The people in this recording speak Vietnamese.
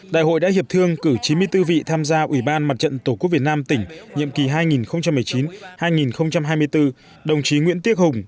đại hội đã hiệp thương cử chín mươi bốn vị tham gia ủy ban mặt trận tổ quốc việt nam tỉnh nhiệm kỳ hai nghìn một mươi chín hai nghìn hai mươi bốn đồng chí nguyễn tiếc hùng